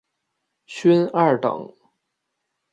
勋二等。